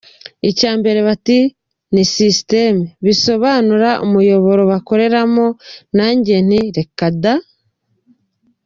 Icyambere bati ni system : bisobanura umuyoboro bakoreramo, nanjye nti reka da !